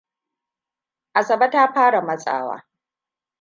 Asabe ta fara matsawa.